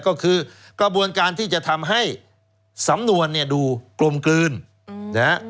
ก็คือกระบวนการที่จะทำให้สำนวนเนี่ยดูกลมกลืนนะฮะ